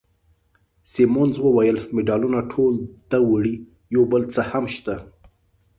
سیمونز وویل: مډالونه ټول ده وړي، یو بل څه هم شته.